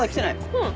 うん。